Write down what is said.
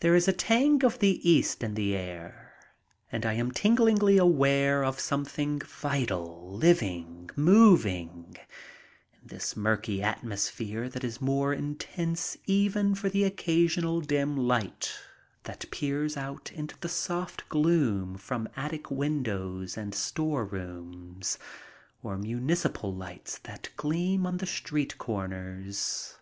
There is a tang of the east in the air and I am tinglingly MEETING BURKE AND WELLS 93 aware of something vital, living, moving, in this murky atmosphere that is more intense even for the occasional dim light that peers out into the soft gloom from attic windows and storerooms, or municipal lights that gleam on the street corners'.